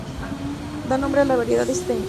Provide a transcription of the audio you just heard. Da nombre a la variedad de Stein.